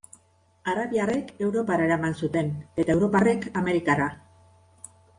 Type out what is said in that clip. Arabiarrek Europara eraman zuten eta Europarrek Amerikara.